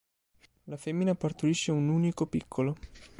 La femmina partorisce un unico piccolo.